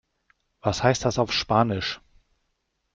Was heißt das auf Spanisch?